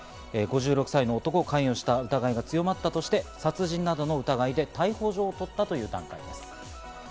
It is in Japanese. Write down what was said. ５６歳の男が関与した疑いが強まったとして殺人の疑いで逮捕状を取ったということです。